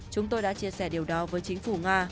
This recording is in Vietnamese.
chúng tôi đã chia sẻ điều đó với chính phủ nga